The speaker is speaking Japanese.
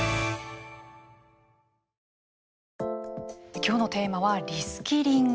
今日のテーマはリスキリング。